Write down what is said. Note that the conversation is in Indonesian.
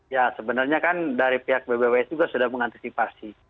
ya sebenarnya kan dari pihak bbws juga sudah mengantisipasi